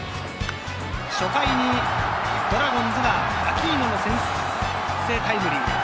初回にドラゴンズが、アキーノの先制タイムリー。